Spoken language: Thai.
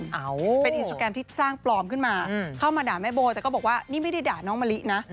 เอาเป็นอินสตราแกรมที่สร้างปลอมขึ้นมาเข้ามาด่าแม่โบแต่ก็บอกว่านี่ไม่ได้ด่าน้องมะลินะ